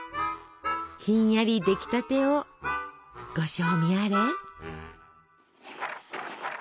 ひんやり出来たてをご賞味あれ！